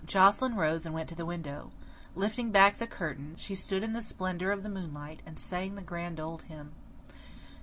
Joscelyn rose and went to the window. Lifting back the curtain, she stood in the splendour of the moonlight, and sang the grand old hymn.